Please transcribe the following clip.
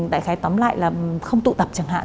đại khái tóm lại là không tụ tập chẳng hạn